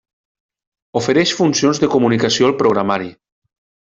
Ofereix funcions de comunicació al Programari.